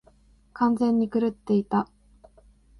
完全に狂っていた。